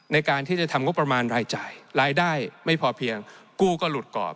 ในการที่จะทำงบประมาณรายจ่ายรายได้ไม่พอเพียงกู้ก็หลุดก่อน